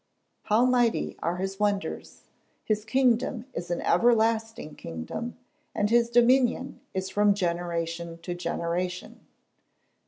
[Verse: "How mighty are his wonders! his kingdom is an everlasting kingdom, and his dominion is from generation to generation."